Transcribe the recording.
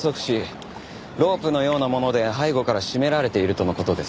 ロープのようなもので背後から絞められているとの事です。